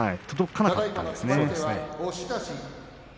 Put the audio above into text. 届かなかったんですね。